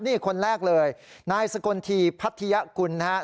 นี่คนแรกเลยนายสกลทีพัทยกุลนะครับ